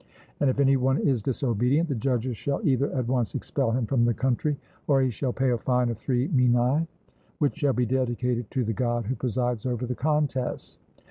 And if any one is disobedient, the judges shall either at once expel him from the country, or he shall pay a fine of three minae, which shall be dedicated to the God who presides over the contests.